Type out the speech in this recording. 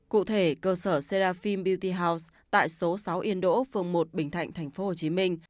cụ thể cơ sở seraphim beauty house tại số sáu yên đỗ phường một bình thạnh tp hcm